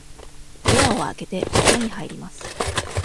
ドアを開けて、部屋に入ります。